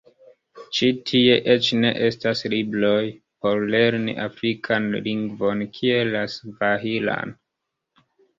Ĉi tie eĉ ne estas libroj por lerni afrikan lingvon kiel la Svahilan.